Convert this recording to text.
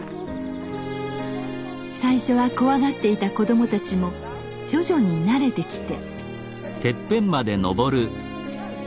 最初は怖がっていた子供たちも徐々に慣れてきて。